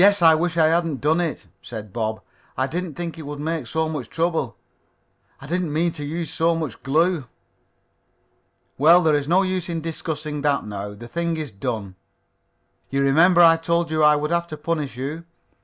I wish I hadn't done it," said Bob. "I didn't think it would make so much trouble. I didn't mean to use so much glue." "Well, there is no use in discussing that now. The thing is done. You remember I told you I would have to punish you?"